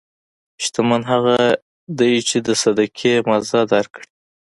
شتمن هغه دی چې د صدقې مزه درک کړي.